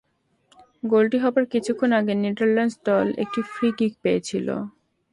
গোলটি হবার কিছুক্ষণ আগে নেদারল্যান্ডস দল একটি ফ্রি কিক পেয়েছিলো।